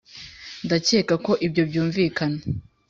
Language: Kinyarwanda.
ndakeka ko ibyo byumvikana.